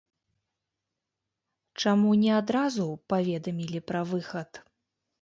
Чаму не адразу паведамілі пра выхад?